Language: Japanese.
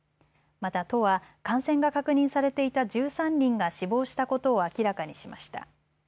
また都は感染が確認されていた１３人が死亡したことを明らかにしました。